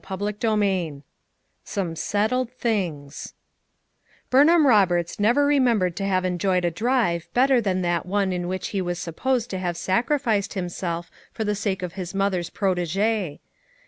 CHAPTER XII SOME SETTLED THINGS Bubnham Roberts never remembered to have enjoyed a drive better than that one in which he was supposed to have sacrificed himself for the sake of his mother's protegee.